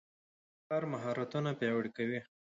کار مهارتونه پیاوړي کوي.